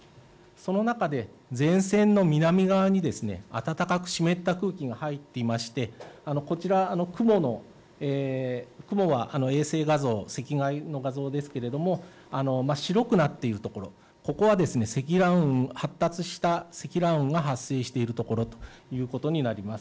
その中で前線の南側に暖かく湿った空気が入っていましてこちら雲が衛星画像、赤外の映像ですが白くなっているところ、ここは発達した積乱雲が発達しているところということになります。